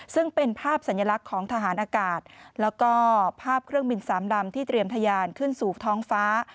ซึ่งเป็นภาพสัญลักษณ์ของทหารอากาศแล้วก็ภาพเครื่องบินสามดำที่เตรียมทะยานขึ้นสู่ท้องฟ้า